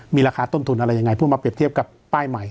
มีราคาต้นทุนอะไรยังไงเพื่อมาเปรียบเทียบกับป้ายใหม่